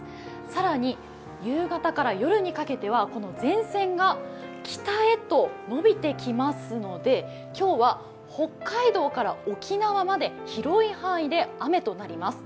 更に夕方から夜にかけては、前線が北へと伸びてきますので今日は北海道から沖縄まで広い範囲で雨となります。